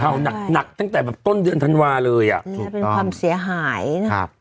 หนักหนักตั้งแต่แบบต้นเดือนธันวาเลยอ่ะอืมจะเป็นความเสียหายนะครับ